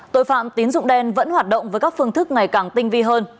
tội phạm tín dụng đen vẫn hoạt động với các phương thức ngày càng tinh vi hơn